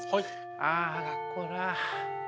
あ学校か。